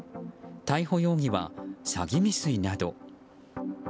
逮捕容疑は詐欺未遂など。